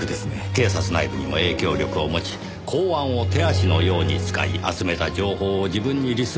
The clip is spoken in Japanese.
警察内部にも影響力を持ち公安を手足のように使い集めた情報を自分に利するように使う。